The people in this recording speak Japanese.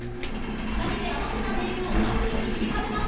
２人で合わせた音色をアルプスに響かせます。